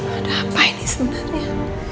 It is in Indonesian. ada apa ini sebenarnya